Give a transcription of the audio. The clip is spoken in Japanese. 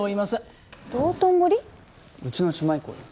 うちの姉妹校だよ。